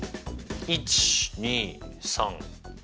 １２３４。